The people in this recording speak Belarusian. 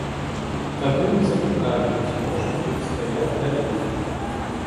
Тады мы запыталі, ці можам тут стаяць далей.